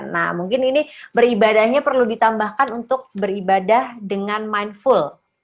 nah mungkin ini beribadahnya perlu ditambahkan untuk beribadah dengan mindful